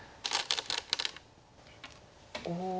おお。